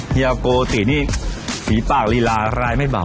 เฮียโกตินี่ฝีปากลีลาร้ายไม่เหมา